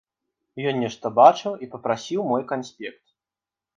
Ён нешта бачыў і папрасіў мой канспект.